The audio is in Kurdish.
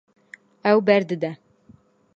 Ew berdide.